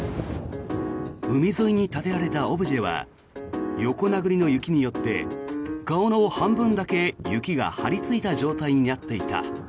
海沿いに建てられたオブジェは横殴りの雪によって顔の半分だけ雪が張りついた状態になっていた。